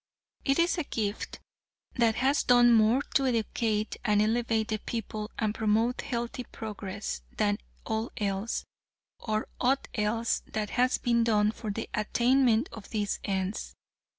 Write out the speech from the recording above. It is a gift that has done more to educate and elevate the people and promote healthy progress than all else, or aught else, that has been done for the attainment of these ends.